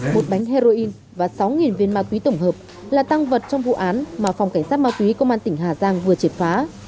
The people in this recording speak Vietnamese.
một bánh heroin và sáu viên ma túy tổng hợp là tăng vật trong vụ án mà phòng cảnh sát ma túy công an tỉnh hà giang vừa triệt phá